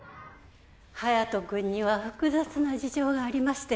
隼人君には複雑な事情がありましてね